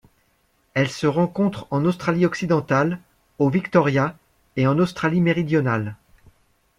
Elles se rencontrent en Australie-Occidentale, au Victoria et en Australie-Méridionale.